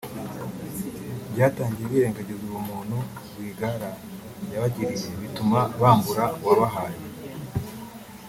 Byatangiye birengagiza ubuntu Rwigara yabagiriye bituma bambura uwabahaye